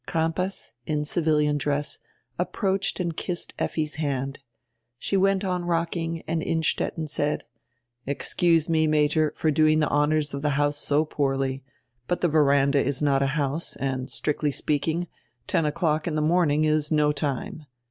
Crampas, in civilian dress, approached and kissed Effi's hand. She went on rocking, and Innstetten said: "Excuse me, Major, for doing die honors of die house so poorly; but die veranda is not a house and, stricdy speaking, ten o'clock in die morning is no time.